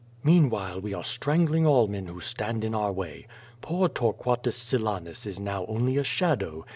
Meanwhile we are strangling all men who stand in our way. Poor Torquatus Silanus is now only a shadow.